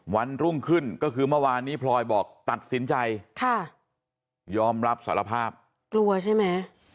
วันรุ่งขึ้นก็คือเมื่อวานนี้พลอยบอกตัดสินใจค่ะยอมรับสารภาพกลัวใช่ไหม